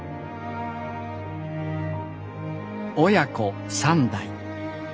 親子３代。